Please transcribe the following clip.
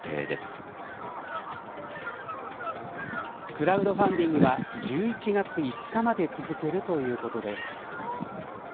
クラウドファンディングは１１月５日まで続けるということです。